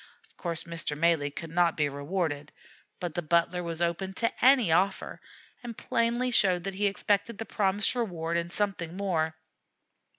Of course Mr. Malee could not be rewarded, but the butler was open to any offer, and plainly showed that he expected the promised reward and something more.